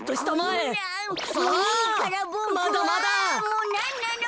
もうなんなの！？